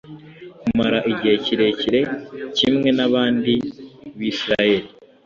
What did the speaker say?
kumara igihe kirekire. Kimwe n’abandi b’Isiraheli